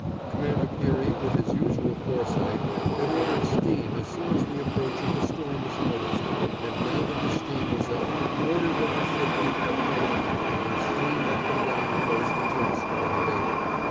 Commander Peary, with his usual foresight, had ordered steam as soon as the approach of the storm was noticed, and now that the steam was up, he ordered that the ship be kept head on, and steam up and down the coast until the storm abated.